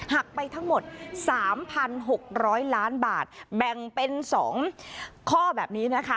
หักไปทั้งหมด๓๖๐๐ล้านบาทแบ่งเป็น๒ข้อแบบนี้นะคะ